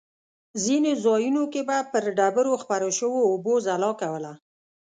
ځینې ځایونو کې به پر ډبرو خپرو شوو اوبو ځلا کوله.